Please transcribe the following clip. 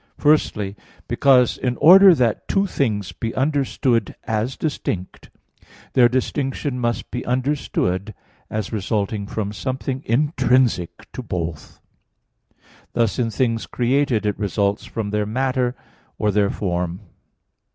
Firstly, because, in order that two things be understood as distinct, their distinction must be understood as resulting from something intrinsic to both; thus in things created it results from their matter or their form.